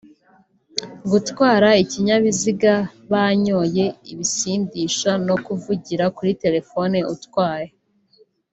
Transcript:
gutwara ikinyabiziga banyoye ibisindisha no kuvugira kuri telefoni utwaye